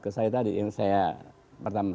ke saya tadi yang saya pertama